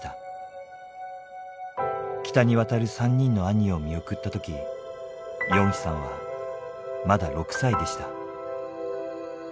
北に渡る３人の兄を見送った時ヨンヒさんはまだ６歳でした。